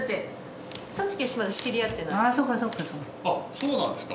そうなんですか？